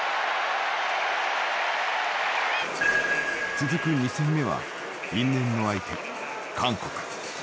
続く２戦目は因縁の相手韓国。